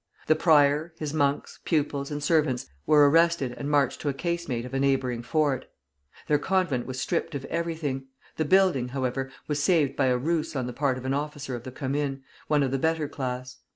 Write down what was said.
The prior, his monks, pupils, and servants, were arrested and marched to a casemate of a neighboring fort. Their convent was stripped of everything. The building, however, was saved by a ruse on the part of an officer of the Commune, one of the better class.